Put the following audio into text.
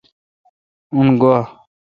ان گا۔